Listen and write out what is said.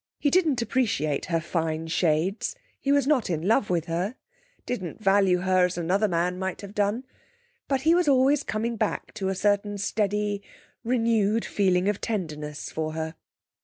He didn't appreciate her fine shades, he was not in love with her, didn't value her as another man might have done. But he was always coming back to a certain steady, renewed feeling of tenderness for her.